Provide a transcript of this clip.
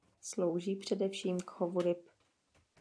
Slouží především k chovu ryb.